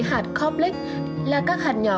hạt coplex là các hạt nhỏ